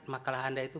makalah anda itu